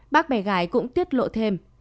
bác bé gái cũng tiết lộ thêm